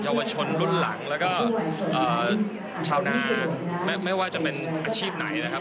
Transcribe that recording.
วชนรุ่นหลังแล้วก็ชาวนาไม่ว่าจะเป็นอาชีพไหนนะครับ